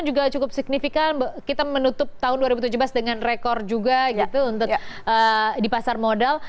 juga cukup signifikan kita menutup tahun dua ribu tujuh belas dengan rekor juga gitu untuk di pasar modal